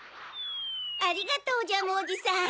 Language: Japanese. ありがとうジャムおじさん！